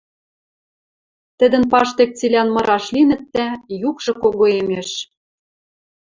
Тӹдӹн паштек цилӓн мыраш линӹт дӓ, юкшы когоэмеш: